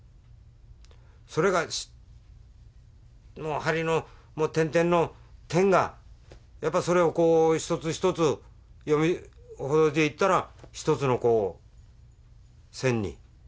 それがもう針の点々の点がやっぱそれをこう一つ一つ読みほどいていったら一つの線になりましたから。